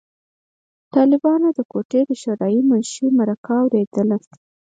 د طالبانو د کوټې د شورای د منشي مرکه اورېده.